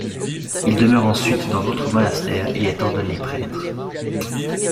Il demeure ensuite dans d'autres monastères et est ordonné prêtre.